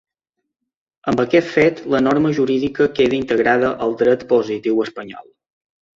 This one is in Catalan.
Amb aquest fet la norma jurídica queda integrada al dret positiu espanyol.